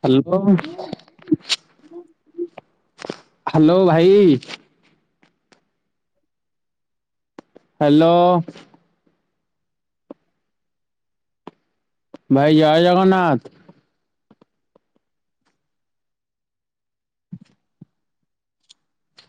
Hello. ହଁ ଜୟ hello ଭାଇ hello. ଭାଇ ଜୟ ଜଗନ୍ନାଥ।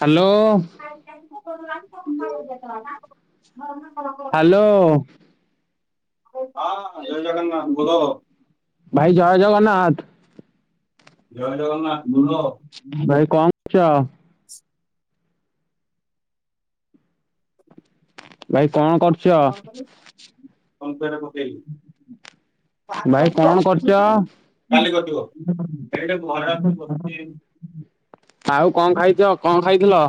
ହ୍ୟାଲୋ ଆ [inaudible] ହ [inaudible] ହ୍ୟାଲୋ ହଁ ଜୟ ଜଗନ୍ନାଥ ବୋଲୋ। ଭାଇ ଜୟ ଜଗନ୍ନାଥ। ଜୟ ଜଗନ୍ନାଥ ବୋଲୋ। ଭାଇ କଣ କରୁଚ? ଭାଇ କଣ କରୁଛ ଫୋନ ପେ ରେ ପକେଇବି। ଭାଇ କଣ କରୁଛ [inaudible] କାଲି କଟିବ ସେଟେ ମହାରା ବସିଛି। ଆଉ କଣ ଖାଇଛ? କଣ ଖାଇଥିଲ?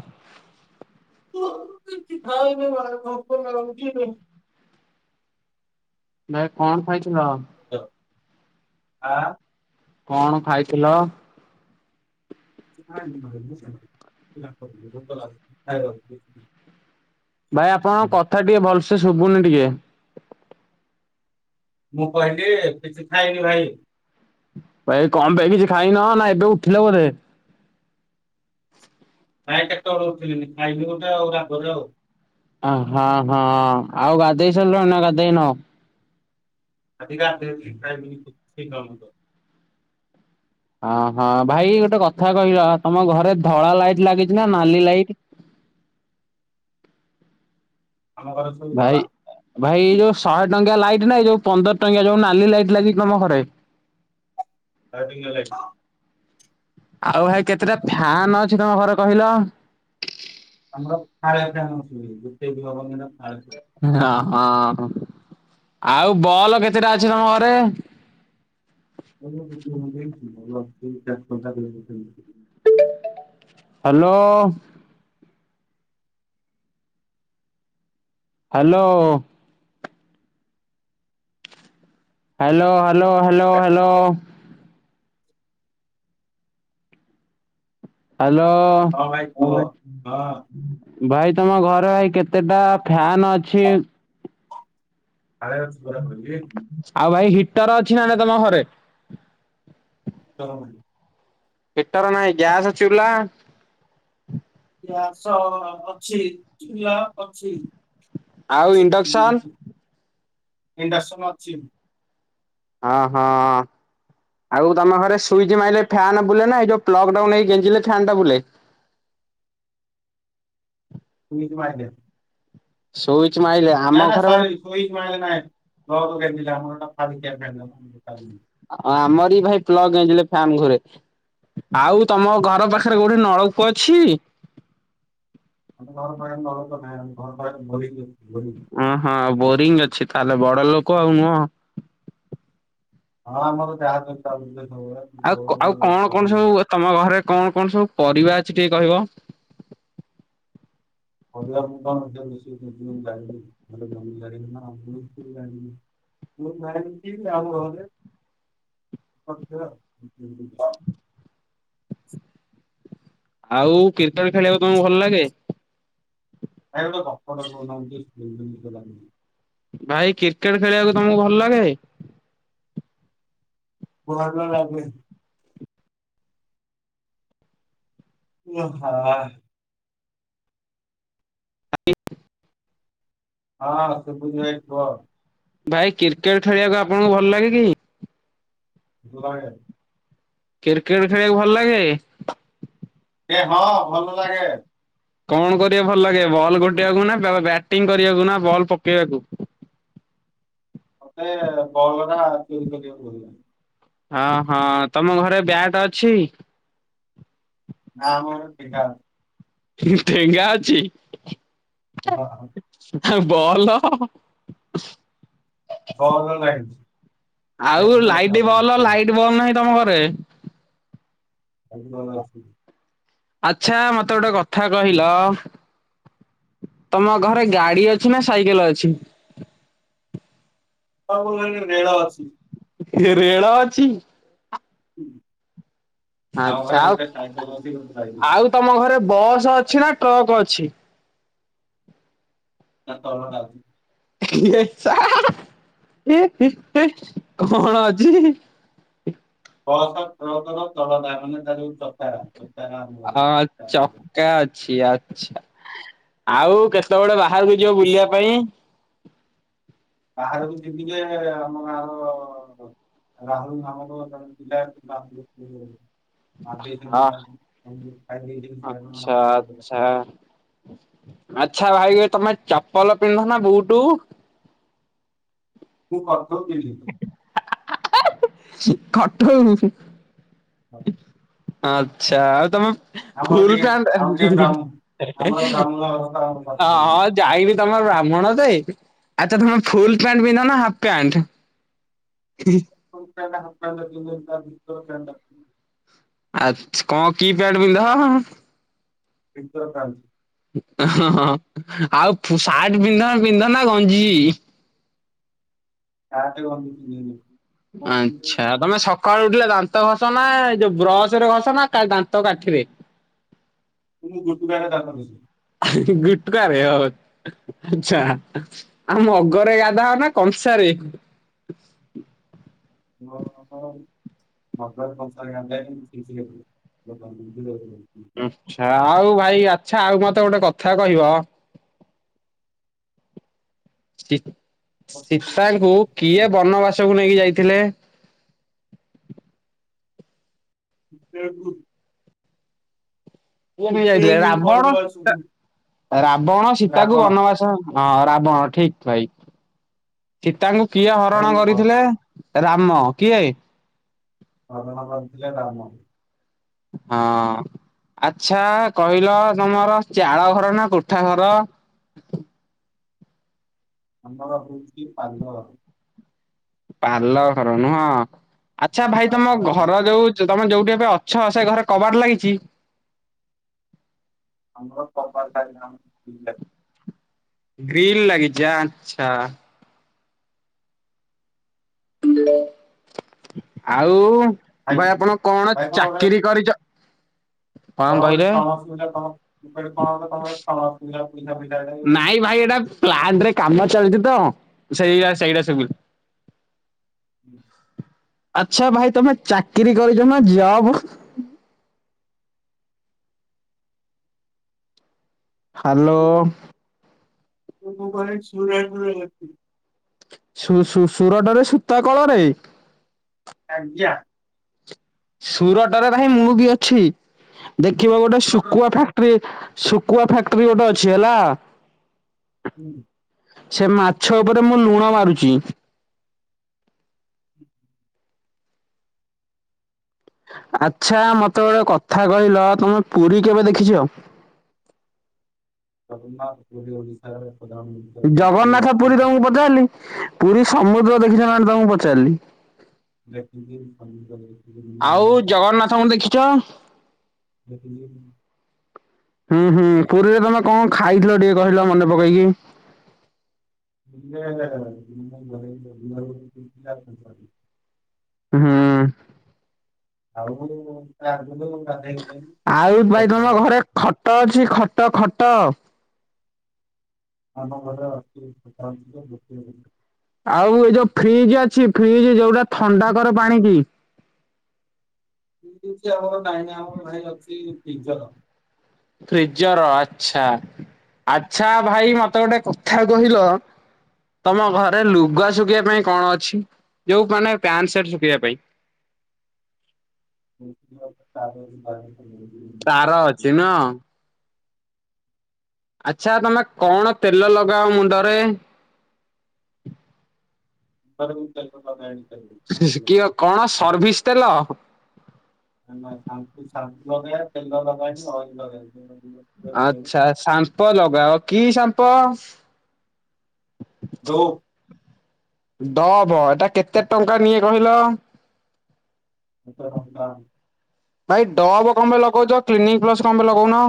କିଛି ଖାଇନି ଭାଇ ଭୋକ ଲାଗୁଛି ଆଉ ଭାଇ କଣ ଖାଇଥିଲ? ଆ କଣ ଖାଇଥିଲ? [inaudible] ଭାଇ ଆପଣଙ୍କ କଥା ଟିକେ ଭଲସେ ଶୁଭୁନି ଟିକେ। ମୁଁ କହିଲି କିଛି ଖାଇନି ଭାଇ। ଭାଇ କଣ ପାଇଁ କିଛି ଖାଇନ ନା ଏବେ ଉଠିଲ ବୋଧେ। ଭାଇ କେତେବେଳୁ ଉଥିଲିନି ଖାଇନ ଗଟା ଆଉ ରାଗ ତ ଆଉ ଅ ହଁ ହଁ ଆଉ ଗାଧେଇ ସାରିଲଣି ନା ଗାଧୋଇ ନ? ଆଜି ଗାଧେଇବିନି ଖାଇବିନି [inaudible] ଅହଁ ଭାଇ ଗୋଟେ କଥା କହିଲ ତମ ଘରେ ଧଳା ଲାଇଟ ଲାଗିଛି ନା ନାଲି ଲାଇଟ? ଆମ ଘରେ ଭାଇ ଭାଇ ଏ ଯେଉଁ ଶହେ ଟଙ୍କିଆ ଲାଇଟ ନାହିଁ ଯେଉଁ ପନ୍ଦର ଟଙ୍କିଆ ଯେଉଁ ନାଲି ଲାଇଟ ଲାଗି ତମ ଘରେ। ଷ୍ଟାର୍ଟିଙ୍ଗ ନ ଲାଇଟ [inaudible] ଆଉ ଭାଇ କେତେଟା ଫ୍ୟାନ ଅଛି ତମ ଘରେ କହିଲ? ଆମର ଫାଳେଖାନ ଶୁଭେଇ ଗୋଟେ ବି ହବନି ନା ଫାଳେ ହଁ ହଁ ଆଉ ବଲ କେତେଟା ଅଛି ତମ ଘରେ? [inaudible] Hello. Hello. Hello hello hello hello. କୁହ ହ୍ୟାଲୋ। ହଁ ଭାଇ ତମ ଘର ଭାଇ କେତେଟା ଫ୍ୟାନ ଅଛି? ଫାଳେ ଶୁଭା [unintelligible] ଆଉ ଭାଇ ହିଟର ଅଛି ନା ନାହିଁ ତମ ଘରେ? [inaudible] ହିଟର ନାଇଁ ଗ୍ୟାସ୍ ଚୁଲା? ଗ୍ୟାସ ଅଛି ଚୁଲା ଅଛି। ଆଉ ଇଣ୍ଡକ୍ସନ ଇନଡକ୍ସନ ଅଛି। ହଁ ହଁ। ଆଉ ତମେ ଘରେ ସୁଇଚ୍ ମାଇଲେ ଫ୍ୟାନ୍ ବୁଲେ ନା ଏ ଯଉ ପ୍ଲଡ ନେଇ ଗେଞ୍ଚିଲେ ଫ୍ୟାନ ଟା ବୁଲେ? ସ୍ୱିଜ୍ ମାଇଲେ। ସୁଇଚ ମାଇଲେ ଆମ ଘରେ ଭାଇ ସ୍ୱିଚ ମାରିଲେ ନାହିଁ ପ୍ଲକ ଗେଞ୍ଜିଲେ ଆମ ଘର ଫାଳିକିଆ ଫ୍ୟାନ ଚାଲୁନି। ଆମର ବି ଭାଇ ପ୍ଲଗ ଗେଂଜିଲେ ଫ୍ୟାନ ଘୂରେ। ଆଉ ତମ ଘର ପାଖରେ କୋଉଠି ନଳକୂଅ ଅଛି? ଆମ ଘର ପାଖରେ ନଳକୂପ ନାହିଁ ଘର ପାଖରେ ବୋରିଂ ଅ ବୋରିଂ ଓ ହଁ ବୋରିଂ ଅଛି ତାହେଲେ ବଡ଼ ଲୋକ ଆଉ ନୁହଁ। ହଁ ଆମର ଯାହାଜ ଚାଲୁଚିବା ସବୁବେଳେ। ଆଉ ଯୋଉ ଆଉ କଣ ସବୁ କଣ ପରିବା ସବୁ ତମ ଘରେ କଣ କଣ ସବୁ ପରିବା ଅଛି ଟିକେ କହିବ? ପାରିବା ମୁଁ କଣ ରୋଷେଇ କରୁଛି ଜାଣିବି। [unintelligible] [unintelligible] ଆଉ କ୍ରିକେଟ ଖେଳିବାକୁ ତୁମକୁ ଭଲ ଲାଗେ? ଭାଇ ଗୋଟେ ଗପଟେ କହୁନା ମୁଁ ଟିକେ ଶୁଣନ୍ତି ନିଦ ଲାଗୁଚି। ଭାଇ କ୍ରିକେଟ ଖେଳିବାକୁ ତମକୁ ଭଲ ଲଗେ? ଭଲ ଲାଗେ। ଆହାଃ। ହଁ ଶୁଭୁଚି ଭାଇ କୁହ? ଭାଇ କ୍ରିକେଟ ଖେଳିବାକୁ ଆପଣଙ୍କୁ ଭଲ ଲାଗେ କି? ଭଲଲାଗେ। କ୍ରିକେଟ ଖେଳିବାକୁ ଭଲ ଲାଗେ? ଇରେ ହଁ ଭଲ ଲାଗେ। କଣ କରିଆକୁ ଭଲ ଲାଗେ ବଲ୍ ଗୋଟେଇବାକୁ ନା ବ୍ୟାଟିଂ କରିବାକୁ ନା ବଲ୍ ପକେଇବାକୁ? ମତେ ବଲ ଟା ଚୋରି କରିବାକୁ ଭଲଲାଗେ। ହଁ ହଁ ତମ ଘରେ ବ୍ୟାଟ ଅଛି? ନା ଆମର ଠେଙ୍ଗା ଅଛି। ଠେଙ୍ଗା ଅଛି? ହଁ। ବଲ? ବଲ ନାହିଁ। ଆଉ ବେଙ୍ଗୁ ଅଛି ଲାଇଟ୍ ଆମ ବଲ ଘରେ। ଲାଇଟ୍ ବଲ ନାହିଁ ତମ ଘରେ? ଖାଲି ବଲ ଅଛି। ଆଚ୍ଛା ମତେ ଗୋଟେ କଥା କହିଲ? ତମ ଘରେ ଗାଡି ଅଛି ନା ସାଇକେଲ ଅଛି? [unintelligible] ରେଳ ଅଛି। ଏ ରେଳ ଅଛି। ଆଉ ଘରେ ଗୋଟେ ସାଇକଲ ଅଛି ଗୋଟେ ବାଇକ ଅଛି। ଆଉ ତମ ଘରେ ବସ୍ ଅଛି ନା ଟ୍ରକ୍ ଅଛି? ତା ତଳଟା ଅଛି। ହେ ହେ କଣ ଅଛି? ବସ ଟ୍ରକ ର ତଳଟା ମାନେ ତାର ଯୋଉ ଚକା। [unintelligible] ହଁ ଚକା ଅଛି ଆ। ଆଛା ଆଉ କେତେବେଳେ ବାହାରକୁ ଯିବ ବୁଲିବା ପାଇଁ? ବାହାର କୁ ଯିବି ଯେ ଆମ ଗାର [unintelligible] ଆଚ୍ଛା ଆଚ୍ଛା [unintelligible] ଆଚ୍ଛା ଭାଇ ତମେ ଚପଲ ପିନ୍ଧ ନା ବୁଟୁ? ମୁଁ କରିଦଉ ଥିଲି। [unintelligible] ହଉ। ଆଚ୍ଛା ଆଉ ତମ ଆମର ଫୁଲ ଟିକେ ପ୍ୟାଣ୍ଟ ଆଉ ଟିକେ ହିଁ ବ୍ରାହ୍ମ ଆମର ହିଁ ବ୍ରାହ୍ମଣ ଘର ଆମ [inaudible] ପାଖରେ। ହଁ। ଯାଇବି ତମର ବ୍ରାହ୍ମଣ ଯେ ଆଚ୍ଛା ତମେ ଫୁଲ ପ୍ୟାଣ୍ଟ ପିନ୍ଧ ନା ହାଫ ପ୍ୟାଣ୍ଟ? ହିଁ ହିଁ। ଫୁଲପ୍ୟାଂଟ, ହାଲପପ୍ୟାଣ୍ଟ ପିନ୍ଧନ୍ତି ତା ଭିତର ପ୍ୟାଣ୍ଟ ଟା ଆଚ୍ଛା କଣ କି ପ୍ୟାଣ୍ଟ୍ ପିନ୍ଧ? ପିଣ୍ଟର ଲାଲ୍। ହଁ ହଁ ଆଉ ସାର୍ଟ ପିନ୍ଧ ପିନ୍ଧ ନା ଗଞ୍ଜି? ସାର୍ଟ ଗଞି ପିନ୍ଧେନି। ଆଚ୍ଛା। ତମେ ସକାଳୁ ଉଠିଲେ ଦାନ୍ତ ଘସ ନା ଯୋଉ ବ୍ରଶ ରେ ଘସ ନା ଦାନ୍ତ କାଠିରେ? [unintelligible] ମୁଁ ଗୁଟଖା ରେ। ଗୁଟଖା ରେ। ଆଛା ଆ ମଗରେ ଗାଧାଅନା କଂସାରେ। ମଗ ରେ। ମ ପ ଚିକ [unintelligible] ଆଛା ଆଉ ଭାଇ ଆଚ୍ଛା ଆଉ ମତେ ଗୋଟେ କଥା କହିବ। ସୀତାଙ୍କୁ କିଏ ବନବାସକୁ ନେଇକି ଯାଇଥିଲେ। ବିଲକୁଲ [unintelligible] କିଏ ଯାଇଥିଲେ ରାବଣ ସୀତା ରାବଣ ସୀତାକୁ ବନବାସ ହଁ ରାବଣ ଠିକ ଭାଇ ସୀତାଙ୍କୁ କିଏ ହରଣ କରିଥିଲେ। ରାମ କିଏ। ହରଣ କରିଥିଲେ ରାମ। ହଁ ଅଚ୍ଛା କହିଲ ତମର ଚାଳ ଘର ନା କୋଠା ଘର? ଆମର ହଉଛି ପାଲ ଘର। ପାଲ ଘର ନୁହଁ ଆଚ୍ଛା ଭାଇ ପାଲ ତମ ଘର ଯୋଉ? ତମେ ଯୋଉଠି ଏବେ ଅଛ ସେ ଘରେ କବାଡ ଲାଗିଛି। ଆମ ପପ [unintelligible] ଗ୍ରୀିଲ ଲାଗିଛି ଆଚ୍ଛା। ଆଉ ଭାଇ ଆପଣ କଣ ଚାକିରି କରିଛ କଣ କହିଲେ? ନାଇଁ [unintelligible] ଭାଇ ଏଇଟା ପ୍ଲାଣ୍ଟରେ କାମ ଚାଲିଚିତ ସେଇଆ ସେଇଟା ଶୁବୁଚି। ହୁଁ। ଆଚ୍ଛା ଭାଇ ତମେ ଚାକିରି କରିଚନା ଜବ୍? ହାଲୋ। ମୁ ମୁକଣ କରେ ସୁରାଟରେ ଅଛି। ସୁ ସୁ ସୁ ସୁରଟରେ ସୂତା କଳରେ? ଆଜ୍ଞା। ସୁରଟରେ ଭାଇଁ ମୁବିଅଛି ଦେଖିବ ଗୋଟେ ଶୁକୁଆ ଫା ଫ୍ୟାକ୍ଟ୍ରିରି ଶୁକୁଆ ଫ୍ୟାକ୍ଟ୍ରିରି ଗୋଟେ ଅଛି ହେଲା। ହୁଁ। ସେ ମାଛ ଉପରେ ମୁଲୁଣ ମାରୁଚି। [inaudible] ଆଚ୍ଛା ମତେ ଗୋଟେକଥା କହିଲ ତମେ ପୁରୀ କେବେ ଦେଖିଚ? ଜଗନ୍ନାଥ ପୁରୀ ଓଡ଼ିଶାରେ ପ୍ରଧାନ ଜଗନ୍ନାଥ ପୁରୀ ତମକୁ ପଚାରିଲି ପୁରୀ ସମୁଦ୍ର ଦେଖିଚନା ତମକୁ ପଚାରିଲି। ଦେଖିଚି ସମୁଦ୍ର କୂଳ ଆଉ ଜଗନ୍ନାଥଙ୍କୁ ଦେଖିଚ? ଦେଖିଚି। ହୁଁ ହୁଁ ପୁରୀରେ ତମେ କଣ ଖାଇଥିଲ ଟିକେ କହିଲ ମନେ ପକେଇକି? [unintelligible] ହୁଁ। ଆଉ ତାଆଗରୁ ଗାଧେଇକି ଆଉ ଭାଇ ତମ ଘରେ ଖଟ ଅଛି ଖଟ ଖଟ? ହଁ ଆମ ଘରେ ଅଛି ଖଟଅଛି ଆଉ ଏଯୋଉ ଫ୍ରିଜ୍ ଅଛି ଫ୍ରିଜ୍ ଯୋଉଟା ଥଣ୍ଡାକରେ ପାଣିକି? ଫ୍ରିଜ୍ ଆମର ନାହିଁ ଆମର ଭାଇ ଅଛି ଫ୍ରିଜର୍। ଫ୍ରିଜର ଆଚ୍ଛା ଆଚ୍ଛା ଭାଇ ମତେ ଗୋଟେ କଥା କହିଲ ତମଘରେ ଲୁଗା ଶୁଖେଇବା ପାଇଁ କଣଅଛି ଯୋଉ ମାନେ ପ୍ୟାଣ୍ଟ ସାଟ୍ ଶୁଖେଇିବା ପାଇଁ? [unintelligible] [unintelligible] ତାରଅଛି ନୁଅଁ। ଆଚ୍ଛା ତମେ କଣତେଲ ଲଗାଅ ମୁଣ୍ଡରେ? ତୁଣ୍ଡରେ ମୁତେଲ ଲଗାଏନି। ହୁ କିଏ କଣ ସର୍ଭିସ୍ ତେଲ। ନାଁ ସାମ୍ପୁ ସାମ୍ପୁ ଲଗାଏ ତେଲ ଲଗାଏନି ଅଏଲ୍ ଆଚ୍ଛା ସାମ୍ପ ଲଗାଅ କିସାମ୍ପ? ଲୋ ଡୋଭ ଏଟା କେତେଟଙ୍କା ନିଏ କହିଲ? ପାଞ୍ଚ ଟଙ୍କା। ଭାଇ ଡବ୍ କଁପାଇଁ ଲଗଉଛ କ୍ଲିନିକ୍ ପ୍ଲସ୍ କଁପାଇଁ ଲଗଉନ?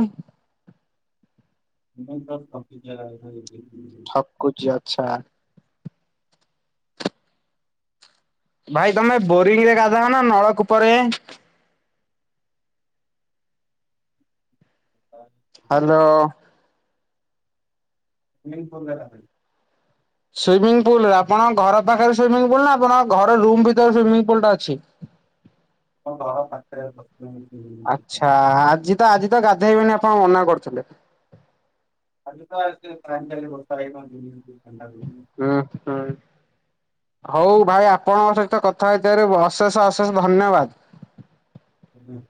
କ୍ଲିନିକ୍ ପ୍ଲସ୍ ଟଙ୍କିକିଆ [unintelligible] ଠକୁଛି ଆଚ୍ଛା। ଭାଇ ତମେ ବୋରିଂରେ ଗାଧାଅନା ନଳକୂପରେ? ହାଲୋ। ସ୍ଵିମ୍ମିଂପୂଲରେ ଗାଧାଏ। ସୁଇମିଂ ପୁଲରେ ଆପଣ ଘର ପାଖରେ ସୁମିଂ ପୁଲନା ଆପଣ ଘର ରୁମ୍ ଭିତରେ ସୁମିଙ୍ଗପୁଲୁଟା ଅଛି? ଆମ ଘରପାଖରେତ ହୁଁ ହୁଁ। ଆଚ୍ଛା ଆଜିତ ଆଜିତ ଗାଧେଇବେନି ଆପଣ ମନା କରୁଥିଲେ? ଆଜିତ [unintelligible] ହଁ ହଁ ହଉ ଭାଇ ଆପଣଙ୍କ ସହିତ କଥା ହେଇଥିବାରେ ଅଶେଷ ଅଶେଷ ଧନ୍ୟବାଦ। ହୁଁ